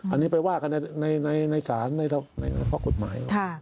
อันนี้ไปว่ากันในศาลในข้อกฎหมาย